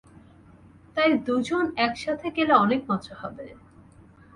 তাই দুজন একসাথে গেলে অনেক মজা হবে।